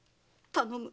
頼む